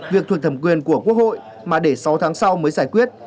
việc thuộc thẩm quyền của quốc hội mà để sáu tháng sau mới giải quyết